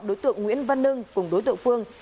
đối tượng nguyễn văn nưng cùng đối tượng phương